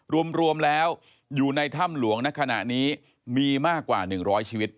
รวมแล้วอยู่ในถ้ำหลวงในขณะนี้มีมากกว่า๑๐๐ชีวิต